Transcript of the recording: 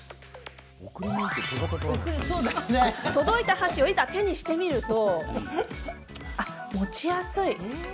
届いた箸をいざ、手にしてみると。